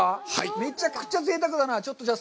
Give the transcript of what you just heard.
めちゃくちゃぜいたくだなあ。